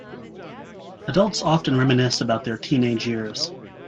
Adults often reminisce about their teenage years.